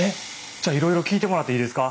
じゃあいろいろ聞いてもらっていいですか？